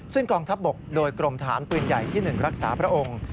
ซึ่งกองทัพบกโดยกรมฐานปืนใหญ่ที่๑รักษาพระองค์